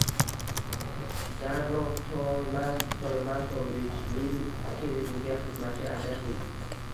Darrov Toymas Toymasovichning keliniga xizmatchi ajrating